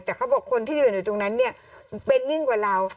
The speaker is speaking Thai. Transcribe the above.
แต่เขาบอกคนที่ยืนอยู่ตรงนั้นเนี่ยเป็นยิ่งกว่าเรา